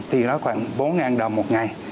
thì đó khoảng bốn ngàn đồng một ngày